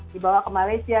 dibawa ke malaysia